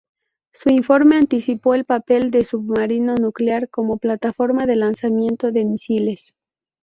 Su informe anticipó el papel del submarino nuclear como plataforma de lanzamiento de misiles.